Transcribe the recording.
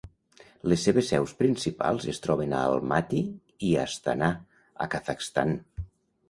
Les seves seus principals es troben a Almati i Astanà, a Kazakhstan.